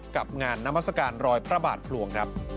กับงานนามศการรอยพระบาทพลวง